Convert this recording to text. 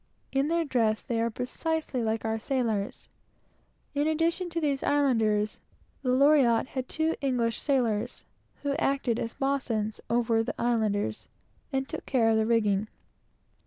In their dress they are precisely like our sailors. In addition to these Islanders, the vessel had two English sailors, who acted as boatswains over the Islanders, and took care of the rigging.